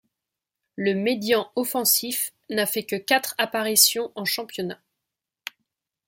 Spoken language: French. Le médian offensif n'a fait que quatre apparitions en championnat.